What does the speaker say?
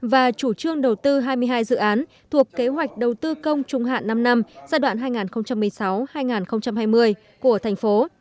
và chủ trương đầu tư hai mươi hai dự án thuộc kế hoạch đầu tư công trung hạn năm năm giai đoạn hai nghìn một mươi sáu hai nghìn hai mươi của thành phố